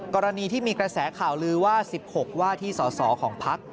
กรณีที่มีกระแสข่าวลือว่า๑๖ว่าที่สอสอของพัก